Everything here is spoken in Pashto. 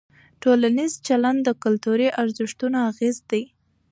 ټولنیز چلند د کلتوري ارزښتونو اغېز دی.